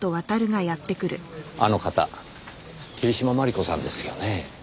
あの方桐島万里子さんですよね？